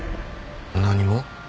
何も。